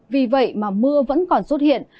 vì vậy mà mưa vẫn còn xuất hiện